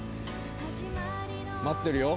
待ってるよ。